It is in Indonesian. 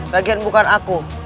bagian bukan aku